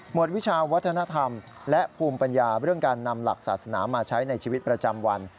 วิชาวัฒนธรรมและภูมิปัญญาเรื่องการนำหลักศาสนามาใช้ในชีวิตประจำวัน